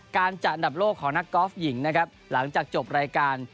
การจัดอันดับโลกของนักกอล์ฟหญิงนะครับหลังจากจบรายการ